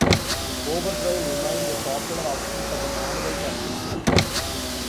Overdrive remained a popular option for the manual transmission.